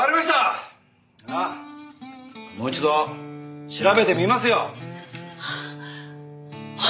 じゃあもう一度調べてみますよ。